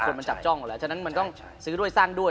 คนมันจับจ้องอยู่แล้วฉะนั้นมันต้องซื้อด้วยสร้างด้วย